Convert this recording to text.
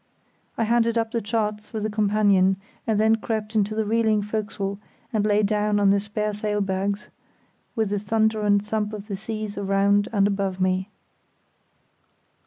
I handed up the chart through the companion, and then crept into the reeling fo'c'sle and lay down on the spare sail bags, with the thunder and thump of the seas around and above me.